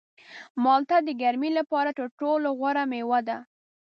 مالټه د ګرمۍ لپاره تر ټولو غوره مېوه ده.